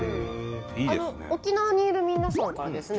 沖縄にいる皆さんからですね